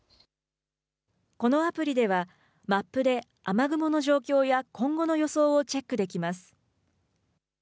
このアプリではマップで雨雲の状況や今後の予想をチェックできます。